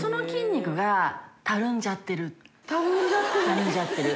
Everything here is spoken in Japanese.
たるんじゃってる。